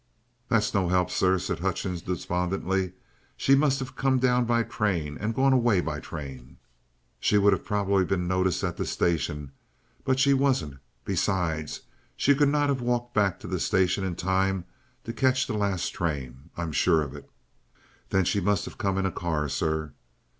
"That's no 'elp, sir," said Hutchings despondently. "She must have come down by train and gone away by train." "She would have probably been noticed at the station. But she wasn't. Besides, she could not have walked back to the station in time to catch the last train. I'm sure of it." "Then she must have come in a car, sir."